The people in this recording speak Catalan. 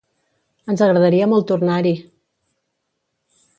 Ens agradaria molt tornar-hi!